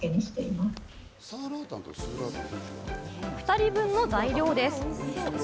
２人分の材料です。